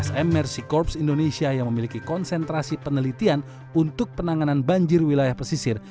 sm mercy corps indonesia yang memiliki konsentrasi penelitian untuk penanganan banjir wilayah pesisir